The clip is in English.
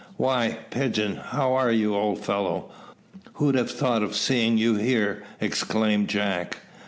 "Why, Pigeon, how are you, old fellow? Who'd have thought of seeing you here?" exclaimed Jack.